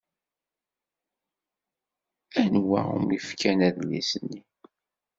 Anwa umi fkan adlis-nni?